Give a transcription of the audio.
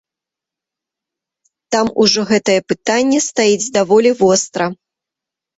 Там ужо гэтае пытанне стаіць даволі востра.